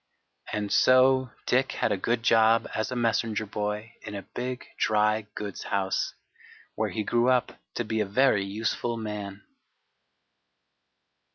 And so Dick had a good job as a messenger boy in a big dry goods house, where he grew up to be a very useful man.